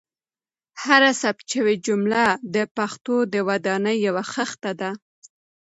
هره ثبت شوې جمله د پښتو د ودانۍ یوه خښته ده.